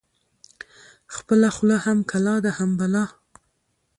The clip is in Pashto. خپله خوله هم کلا ده، هم بلا